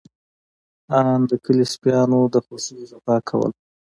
آن د کلي سپيانو د خوښۍ غپا کوله.